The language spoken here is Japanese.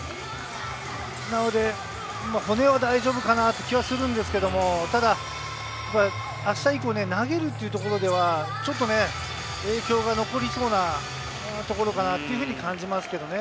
なので骨は大丈夫かなという気はするんですけれど、ただ明日以降、投げるっていうところでは、ちょっと影響が残りそうなところかなっていうふうに感じますけどね。